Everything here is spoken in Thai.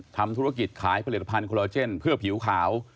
ทำธุรกิจขายผลิตภัณฑ์โคลอเจนเพื่อผิวขาว